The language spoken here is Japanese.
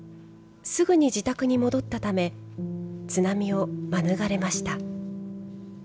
すぐに自宅に戻ったため、津波を免れました。